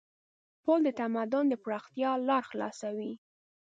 پُل د تمدن د پراختیا لار خلاصوي.